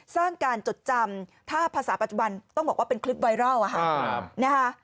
สร้างการจดจำถ้าภาษาปัจจุบันต้องบอกว่าเป็นคลิปไวรัล